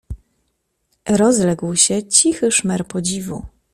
"Rozległ się cichy szmer podziwu."